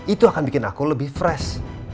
itu akan bikin aku lebih fresh